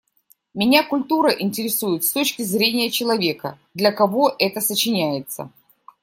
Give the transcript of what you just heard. Меня культура интересует с точки зрения человека, для кого это сочиняется.